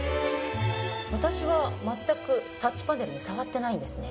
私は全く、タッチパネルに触ってないんですね。